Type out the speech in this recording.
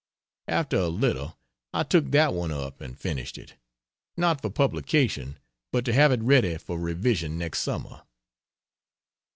After a little I took that one up and finished it. Not for publication, but to have it ready for revision next summer.